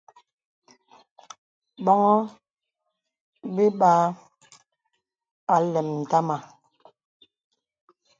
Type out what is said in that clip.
Bòŋhô bī ba àləm ndama.